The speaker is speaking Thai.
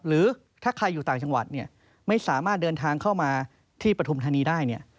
หรือถ้าใครอยู่ต่างจังหวัดเนี่ยไม่สามารถเดินทางเข้ามาที่ปฐุมธานีได้เนี่ย